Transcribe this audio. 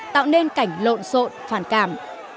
tạo nên cảnh lộn xộn phản cảm